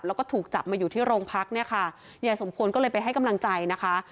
แล้วก็ถูกจับมาอยู่ที่โรงพักเนี่ยค่ะยายสมควรก็เลยไปให้กำลังใจนะคะ